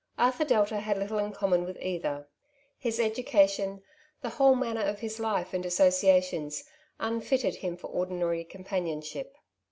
Arthur Delta had little in common with either. His education, the whole maimer of his life and associations, unfitted him for ordinary companion ship.